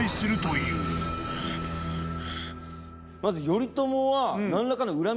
まず頼朝は。